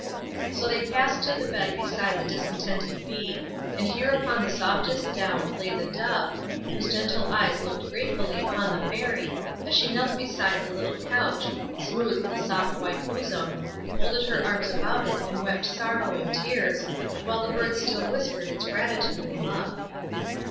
So they passed to the bed beside the discontented bee, and here upon the softest down lay the dove, whose gentle eyes looked gratefully upon the Fairy, as she knelt beside the little couch, smoothed the soft white bosom, folded her arms about it and wept sorrowing tears, while the bird still whispered its gratitude and love.